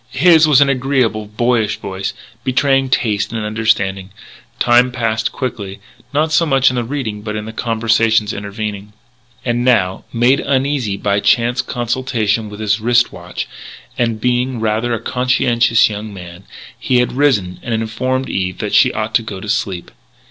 His was an agreeable, boyish voice, betraying taste and understanding. Time passed quickly not so much in the reading but in the conversations intervening. And now, made uneasy by chance consultation with his wrist watch, and being rather a conscientious young man, he had risen and had informed Eve that she ought to go to sleep.